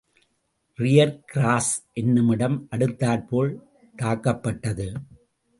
Rear Cross என்னுமிடம் அடுத்தாற்போல் தாக்கப்பட்டது.